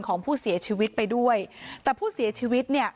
ของผู้เสียชีวิตไปด้วยแต่ผู้เสียชีวิตเนี่ย